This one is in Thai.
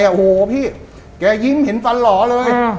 โอ้โหพี่แกยิ้มเห็นฟันหล่อเลย